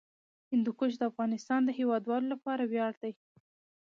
هندوکش د افغانستان د هیوادوالو لپاره ویاړ دی.